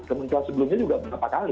kementerian sebelumnya juga berapa kali